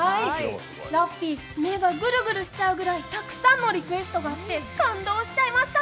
ラッピー、目がグルグルしちゃうぐらいたくさんのリクエストがあって感動しちゃいました。